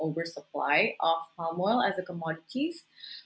tanah kayu sebagai komoditas